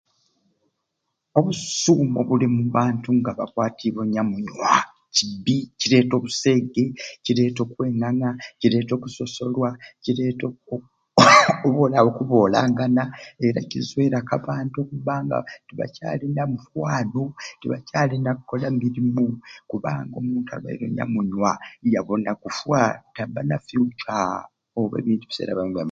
Obusume obuli ombantu nga bakwatibwe onyamunywa kibbi, kireeta obusege, kireeta okwenganga, kireeta okusosolwa, kireeta oku oba olyawo okubolangana era kizweraku abantu okuba nga tibakyalina mukwano tiwakyali nakola mirimu kubanga onumtu alwaire onyamunywa yabona kuffa tabba nafyukya oba ebi ebiseera byamwei ebyamuma.